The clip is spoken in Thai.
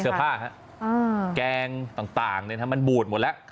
เสื้อผ้าแกงต่างมันบูดหมดแล้ว